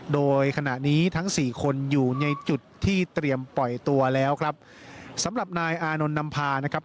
โดยขณะนี้ทั้งสี่คนอยู่ในจุดที่เตรียมปล่อยตัวแล้วครับสำหรับนายอานนท์นำพานะครับ